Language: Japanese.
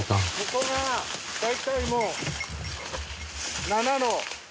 ここが大体もう。